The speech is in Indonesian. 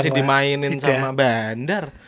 masih dimainin sama bandar